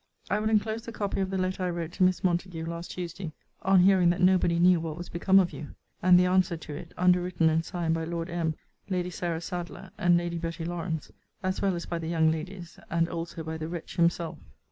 I will enclose the copy of the letter I wrote to Miss Montague last Tuesday, on hearing that nobody knew what was become of you; and the answer to it, underwritten and signed by Lord M., Lady Sarah Sadleir, and Lady Betty Lawrance, as well as by the young Ladies; and also by the wretch himself.